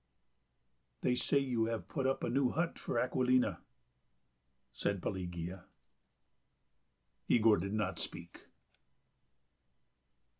"They say you have put up a new hut for Akulina," said Pelagea. Yegor did not speak.